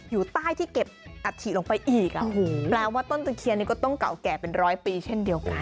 อยู่ใต้ที่เก็บอัฐิลงไปอีกแปลว่าต้นตะเคียนนี้ก็ต้องเก่าแก่เป็นร้อยปีเช่นเดียวกัน